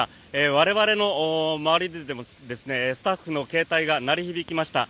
我々の周りででもスタッフの携帯が鳴り響きました。